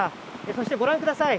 そしてご覧ください。